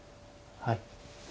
はい。